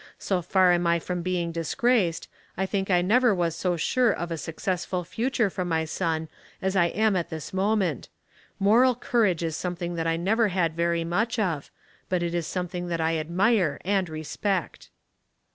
So far am I from being disgraced, I think I never was so sure of a suc cessful future for my son as I am at this moment. Moral courage is something that I never had very much of, but it is something that I admire and respect."